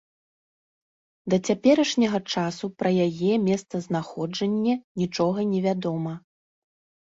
Да цяперашняга часу пра яе месцазнаходжанне нічога не вядома.